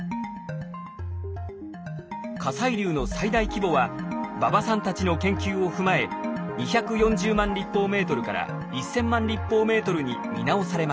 火砕流の最大規模は馬場さんたちの研究を踏まえ２４０万立方メートルから１，０００万立方メートルに見直されました。